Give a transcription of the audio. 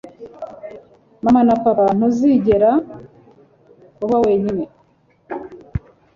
mama na papa ntuzigera uba wenyine